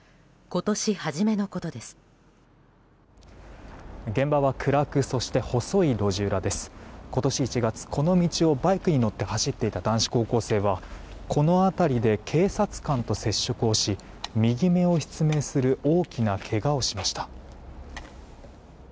今年１月、この道をバイクに乗って走っていた男子高校生はこの辺りで警察官と接触をし右目を失明する大きなけがをしました。